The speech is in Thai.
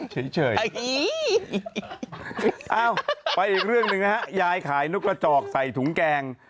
เฉยเอ้าไปอีกเรื่องหนึ่งนะฮะยายขายนกกระจอกใส่ถุงแกง